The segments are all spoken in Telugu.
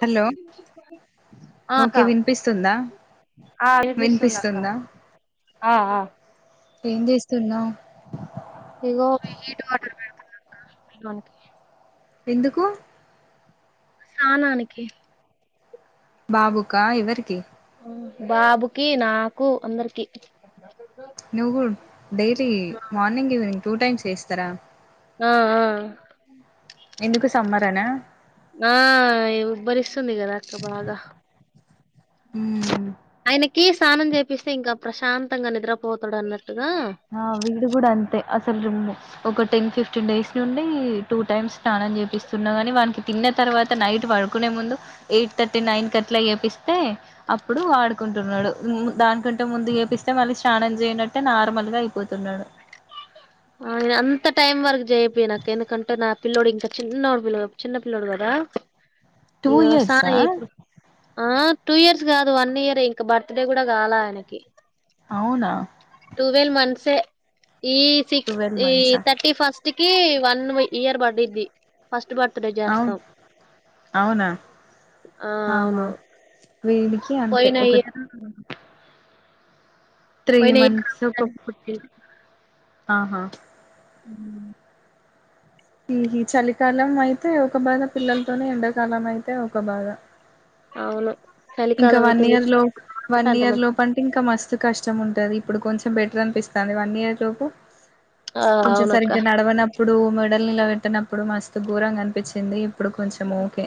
హలో ఆ అక్క ఓకే వినిపిస్తుందా ఆ వినిపిస్తుంది అక్క వినిపిస్తుందా ఆ ఆ ఏం చేస్తున్నావు ఇగో హీట్ వాటర్ పెడుతున్న అక్క పిల్లోనికి ఎందుకు స్నానానికి బాబుకా ఎవరికి బాబుకి నాకు అందరికి నువ్వు daily morning evening two times చేస్తారా ఆ ఆ ఎందుకు సమ్మర్ అనా ఆ ఇబ్బరిస్ తుంది గదా అక్కా బాగ మ్మ్. కి స్నానం చేపిస్తే ఇంకా ప్రశాంతంగా నిద్రపోతాడు అన్నట్ ఆ వీడు గూడా అంతే అసలు రిమ్మూ ఒక టెన్ ఫిఫ్టీన్ డేస్ నుండి టూ టైమ్స్ స్నానం చేపిస్తున్నా కానీ వానికి తిన్న తర్వాత నైట్ పడుకునే ముందు ఎయిట్ థర్టీ నైన్ కి అట్లా ఏపిస్తే ఇప్పుడు ఆడుకుంటున్నాడు దానికంటే ముందు ఏపిస్తే మళ్ళి స్నానం చేయనట్టే నార్మల్ గా అయిపోతున్నాడు ఆ నేను అంత టైం వరకు చేపియ్యను అక్క ఎందుకంటే నా పిల్లోడు ఇంకా చిన్నోడు పిల్ల చిన్న పిల్లోడు కదా టూ ఇగ స్నానం ఇయర్సా జేపిడు ఆ టూ ఇయర్స్ గాదు వన్ ఇయరే ఇంకా బర్త్ డే కూడా కాలా ఆయనకి అవునా ట్టువెల్వ్ మంత్సే ఈ సిక్స్ ట్వెల్వ్ ఈ మంత్సా థర్టీ ఫస్ట్ టికి వన్ ఇయర్ బడ్డిద్ది ఫస్ట్ బర్ అవున్ అవునా ఆ ఆహా అవును వీడికి అంతే పోయిన ఒక ఇయర్ త్రీ పోయిన ఇయర్ మంత్సు రంజాన్ [unintelligible] కి పుట్టిండు ఆహా అవున ఈ హి చలికాలం అయితే ఒక బాధ పిల్లలతోని ఎండాకాలం అయితే ఒక బాధ అవును ఇంకా చలికాలం వన్ అయితే నీ ఇయర్ లోఫ్ వన్ అంత ఇయర్ మంచి లోపు అంటే ఇంకా మస్తు కష్టం ఉంటది ఇప్పుడు కొంచెం బెటర్ అనిపిస్తాంది వన్ ఇయర్ లోపు ఆ కొంచెం అవునక్క సరిగ్గా నడవనప్ ఇప్పుడు మెడల్ ని ఇలా పెట్టినప్పుడు మస్తు ఘరంగా అనిపించింది ఇప్పుడు కొంచెం ఓకే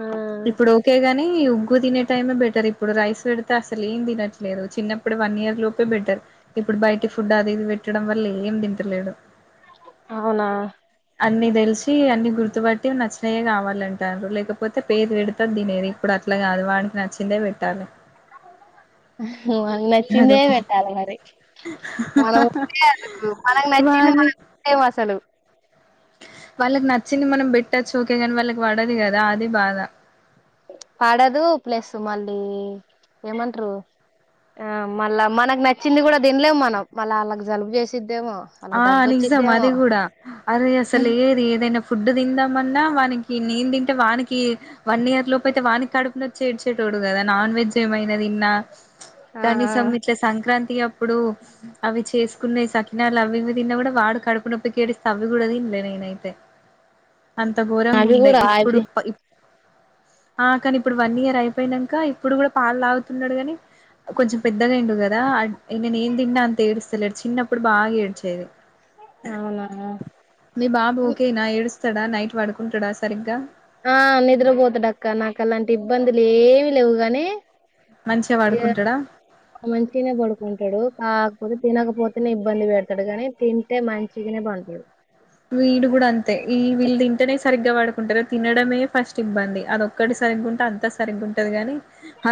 ఆ ఇప్పుడు ఓకేగాన్ కానీ ఉగ్గు తినే టైమే బెటర్ ఇప్పుడు రైస్ పెడితే అసలు ఏం తినట్లేదు చిన్నప్పుడు వన్ ఇయర్ లోపే బెటర్ ఇప్పుడు బయటి ఫుడ్ అది ఇది పెట్టడం వల్ల ఏం దింటలేడు అవునా అన్ని దెలిసి అన్ని గుర్తుపట్టి నచ్చినయే కావాలంటారు లేకపోతే పేరు పెడతంది దీనిది ఇప్పుడు అట్లా కాదు వానికి నచ్చిందే పెట్టాలి అహ వానికి నచ్చిందే అదొక పెట్టాలి మరి వాని [inaudible] అసలు వాళ్ళకి నచ్చింది మనం బెట్టచ్చు ఓకే గానీ వాళ్ళకి పడదు కదా అది బాధ పడదు ప్లస్ మళ్ళీ ఏమంటారు ఆ మళ్ళా మనకు నచ్చింది కూడా దిన్లేమ్ మనం మళ్ళా వాళ్ళకి జలుబు చేసిద్ ఆ నిజం అది గూడా అరే అసలు ఏది ఏదైనా ఫుడ్ తిందామన్నా వానికి నేను తింటే వానికి వన్ ఇయర్ లోపు అయితే వాకి కడుపున వచ్చేడ్చేటోడు కదా నాన్ వెజ్ ఏమైనా దిన్నా ఆ కనీసం ఇట్లే సంక్రాంతి అప్పుడు ఇప్పుడు అవి చేసుకునే సరికి సకినాలు అవి ఇవి తిన్నా కూడా వాడు కడుపు నొప్పికి ఏడిస్త అవి కూడా తినలే నేనయితే అంత ఆ ఘోరంగా ఉండే ఇప్పుడు ఆ కాని ఇప్పుడు వన్ ఇయర్ అయిపోయినాక ఇప్పుడు కూడా పాలు లాగుతున్నాడు కాని కొంచెం పెద్దగా అయ్యిండు కదా నేను ఏం తిన్నా అంత ఏడుస్తలేడు చిన్నప్పుడు బాగా ఏడ్చేది అవునా మీ బాబు ఓకేనా ఏడుస్తాడా నైట్ పడుకుంటాడా అసలు ఆ నిద్రపోతాడు అక్క నాకు అలాంటిది ఇబ్బందులు ఏమి లేవు గాని మంచిగా పడుకుంటాడా ఆ మంచిగనే బడుకుంటాడు ఆ తినకపోతేనే ఇబ్బంది పెడతాడు కానీ తింటే మంచిగానే పడుకుంటాడు వీడు కూడా అంతే ఈ వీళ్ళ తింటనే సరిగ్గా పడుకుంటారు తినడమే ఫస్ట్ ఇబ్బంది అది ఒక్కటి సరిగ్గా ఉంటే అంతా సరిగ్గు ఉంటంది కాని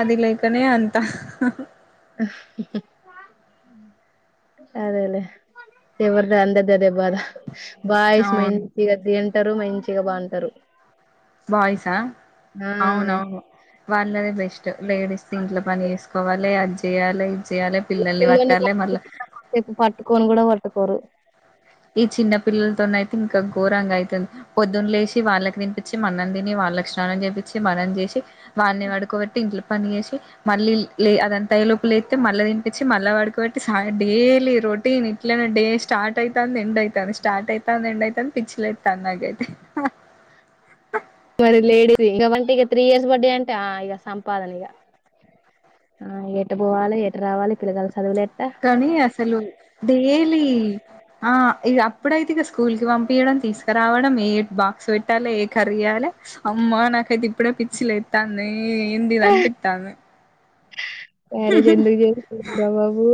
అది లేకనే అంత త హు అరే ఎవరిది వాళ్ళది బాయ్స్ అవును మంచిగా తింటరు మంచిగా ఉంటారు ఇగ పంటరు బాయ్స్ ఆ అవునవును వాళ్ళదే బెస్ట్ లేడీస్ ఇంట్లో పని చేేసుకోవాలి అది చేయాలి చేేయాలై పిల్లల్ని పట్టుకోమంటే కాసేపు పట్టుకోమన్న పట్టుకోరు ఈ చిన్న పిల్లలతోన అయితే ఇంకా ఘోరంగా అయితుంది పొద్దున్న లే సి వాళ్ళకి తనిపించి మనం తిని వాళ్ళకి స్నానం చేపిచి మనం చేసి వాడి పడుకోబెట్టి ఇంట్లో పని వేసి మళ్ళీ లే అదంత తై లోపుల అతే మల్ల తినిపించి మళ్ళ పడుకోబెట్టి కాబట్టి డైలీ రొటీన్ ఇట్ల డే స్టార్ట్ అయితది స్టార్ట్ అయితాంది నేను అయితే స్టార్ట్ అయితే నేను అయితే నాకు పిచ్చి లేస్తుంది మరి లేడీస్ ఇకవంటే ఇక త్రీ ఇయర్స్ బర్డే అంటే ఇక సంపాదన ఇక ఆ ఎటు పోవాలి ఎటు రావాలి పిలగల సదువులు ఎట్లా రావాలి కనీ అసలు డేలీ ఆ ఇక అప్పుడైతే ఇక స్కూల్ కి పంపయడం తీసుకురావడం ఏ బాక్స్ పెట్టాలి ఏ కర్రీ చేయాలి అమ్మ నాకైతే ఇప్పుడే పిచ్చి లేస్తుంది పిచ్చి లేస్తుంది ఇది ఏందనిపిస్తుంది మ్యారేజ్ ఎందుకు చేసుకోకూడదు రా బాబు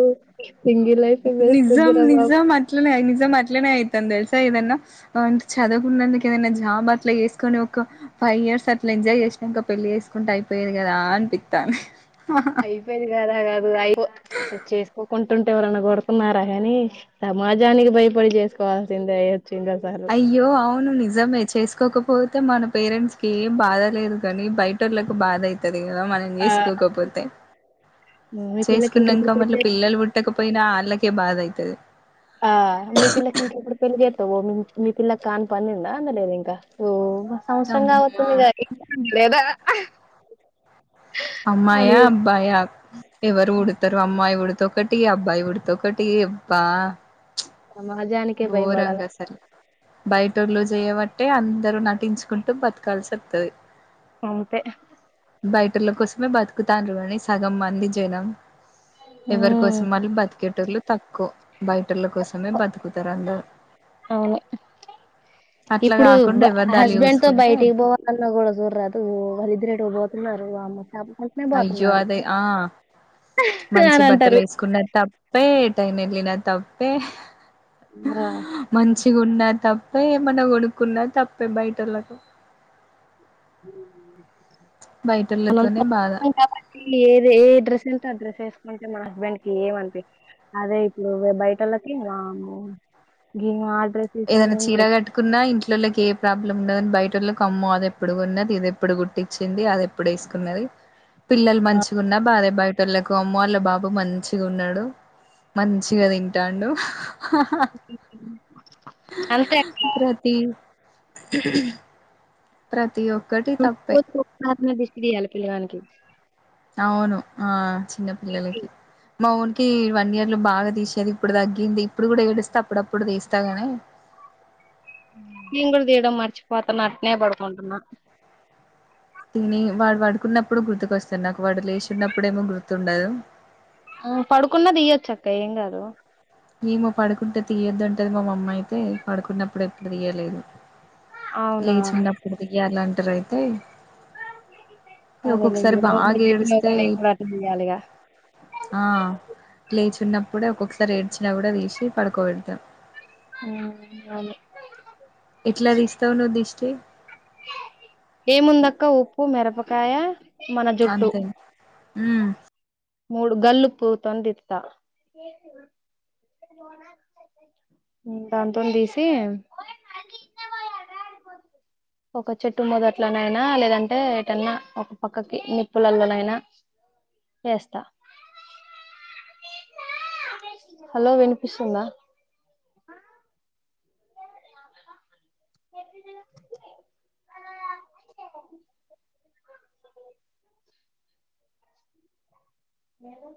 నిజం నిజం అట్లానే అయింది నేనాట్లనే అవుతాను తెలుసా ఏదన్నా చదువుకున్నందుకు ఏదన్నా జాబ్ అట్ల చేేసుకొని ఒక ఫైవ్ ఇయర్స్ అట్లా ఎంజాయ్ చేసినంకా పెళ్లి చేేసుకుంటే అయిపోయేది కదా అనిపిత్తంది అయిపోయేది గాదా రాజు అయిపోవు చేసుకోకుంట అంటే ఎవరన్నా కొడుతున్నారా గాని సమాజానికి భయపడి చేసుకోవాల్సిందే వచ్చింది అసలు అయ్యో అవును నిజం నిజమే చేసుకోకపోతే మన పేరెంట్స్ కి ఏం బాధ లేదు కానీ బయటోళ్ళకు బాధ అయితది అదే గాదా మనం ఆ చేసుకోకపోతే మీ పిల్లకి ఇంకా ఎప్పుడు చేసుకున్నంకా పెళ్లి మల్ల చే పిల్లలు పుట్టకపోయినా ఆళ్ళకే అందుకే బాధ అయితది ఆ మీ పిల్ల కింకా ఎప్పుడు పెళ్లి చేతవ్ ఓ మీ పిల్లాకాన్ప అందిందా అందలేదా ఇంకా సంవత్సరం అమ్మా కావత్తంది ఇగ లేదా అమ్మాయా అని అబ్బాయా ఎవరు పుడుతరో అమ్మాయి పుడుతూ ఒకటి అబ్బాయి పుడితే ఒకటి అబ్బా సమాజానికే భయపడాలా బయటోళ్లు చేయబట్టే అందరూ నటించుకుంటూ బతకాల్సిఅత్తది అంతే బయటోల్ల కోసమే బతుకుతాన్రూ గని సగం మంది జనం ఎవరి కోసం ఉమ్ వాళ్ళు బతికేటోళ్లు తక్కువ బయటోల్ల కోసమే బతుకు అవును అట్లా ఇప్పుడు కాకుండా ఎవరిదాళ్ళు హస్బెండ్ తో చూసుకుంటే బయటికి పోవాలన్నా కూడా చూరరాదు వాళ్లిద్దరూ ఎట్లా ఎవరి నాడుగలే అప్ అయ్యో అదే ఆ మంచి అని బట్టలు అంటారు ఏసుకున్న తప్పే టైమ్ అడిగినా తప్పే ఆ చిగా ఉన్నా తప్పే ఏమన్నా కొనుక్కున్నా తప్పే బయటోళ్ళకు బయటోళ్ళతోనే బాధ ఏది ఏ డ్రెస్ ఎ అ డ్రెస్ ఏసుకుంటే మా హస్బెండ్ కి ఏమనిపించదు అదే ఇప్పుడు బయటోల్లకి వామ్మో గీమే ఆడు ఏదైనా చీర కట్టుకున్నా ఇంట్లోలోకి ఏ ప్రాబ్లం ఉండదని బయట టోల్లకు అమ్మో అది ఎప్పుడు కొన్నది ఇది ఎప్పుడు గుట్టిచ్చింది అది ఎప్పుడు వేసుకున్నది పిల్లలు మంచిగున్న బాధే బయట టోల్లకు అమ్మో వాళ్ళ బాబు మంచిగా ఉన్నడు మంచిగా తింటండు హాహాహా అంతే హ ప్రతి ప్రతి ఒక్ [inaudible] ఇదియ్యాలి పిల్లగానికి అవును ఆ చిన్న పిల్లలకి మావో కి వన్ ఇయర్ లో బాగా తీసేది ఇప్పుడు తగ్గింది ఇప్పుడు కూడా ఏడిస్త అప్పుడప్పుడు తీస్తా గని నేను గుడా తీయడం మర్చిపోతాన్న అట్నే పడుకుంటున్నా తిని వాడు పడుకున్నప్పుడు గుర్తుకస్తది నాకు వాడు లేచిన్నప్పుడు ఏమో గుర్తుండదు ఆ పడుకున్న దీయచ్చక్క ఏం కాదు ఏమో పడుకుంటే తీయొద్దు అంటది మా అమ్మ అయితే పడుకున్నప్పుడు ఎప్పుడు తీయలేదు అవునా లేచున్నప్పుడు దీయలం టరయితే అదే [unintelligible] నేను బాగా గూడ ఏడిస్తే అట్లనే దియాలిగా ఆ లేచి ఉన్నప్పుడే ఒక్కొక్కసారి ఏడ్చినా గుడా తీసి పడుకోబెడతాం ఉమ్ అవును ఎట్లా తీస్తవు నువ్వు దిష్టి. ఏముందక్క ఉప్పు, మిరపకాయ, మన జుట్టు హ్మ్ మూడు గల్లుప్పుతోని తిత్తా దానితోని తీసి ఒక చెట్టు మొదట్లనైనా లేదంటే ఏటన్నా ఒక పక్కకి నిప్పులల్లనైనా ఎస్తా. హలో వినిపిస్తుందా. లేదు